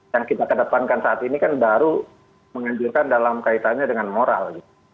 yang kita kedepankan saat ini kan baru menganjurkan dalam kaitannya dengan moral